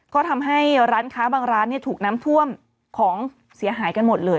ก็ทำให้ร้านค้าบางร้านถูกน้ำท่วมของเสียหายกันหมดเลย